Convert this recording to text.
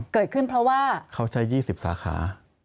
เกิดขึ้นเพราะว่าเขาใช้๒๐สาขา